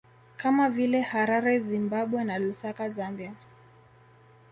Kama vile Harare Zimbabwe na Lusaka Zambia